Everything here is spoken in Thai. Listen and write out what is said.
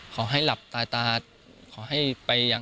ขอให้หลับตายตาย